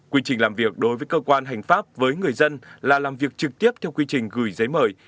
quy trình làm việc đối với cơ quan hành pháp với người dân là làm việc trực tiếp theo quy trình gửi giấy mời